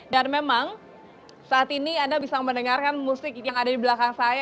dan memang saat ini anda bisa mendengarkan musik yang ada di belakang saya